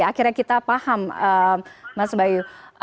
akhirnya kita paham mas bayu